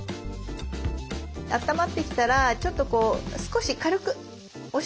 あったまってきたらちょっと少し軽く押してあげる。